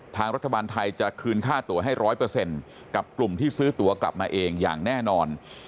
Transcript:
ทางรัฐบาลไทยจะคืนค่าตัวให้๑๐๐กับกลุ่มที่ซื้อตัวกลับมาเองอย่างแน่นอน